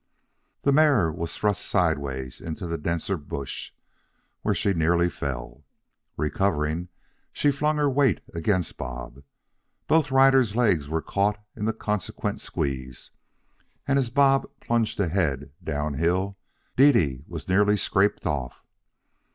The mare was thrust sidewise into the denser bush, where she nearly fell. Recovering, she flung her weight against Bob. Both riders' legs were caught in the consequent squeeze, and, as Bob plunged ahead down hill, Dede was nearly scraped off.